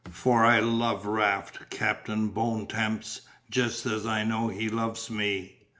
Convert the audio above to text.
For I love Raft, Captain Bontemps, just as I know he loves me.